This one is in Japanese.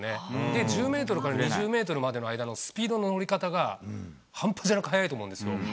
で、１０メートルから２０メートルまでの間のスピードの乗り方が半端じゃなく速いと思うんですよ。